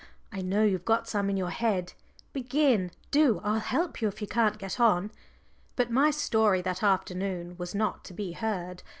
I know you've got some in your head. Begin, do I'll help you if you can't get on." But my story that afternoon was not to be heard.